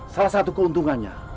salah satu keuntungannya